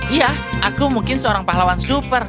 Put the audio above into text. iya aku mungkin seorang pahlawan super